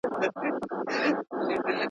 عدالت د ټولني د بقا راز دی.